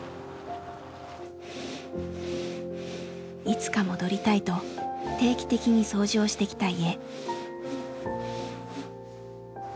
いつか戻りたいと定期的に掃除をしてきた家。